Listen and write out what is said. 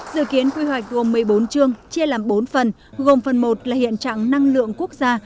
dự kiến quy hoạch gồm một mươi bốn chương chia làm bốn phần gồm phần một là hiện trạng năng lượng quốc gia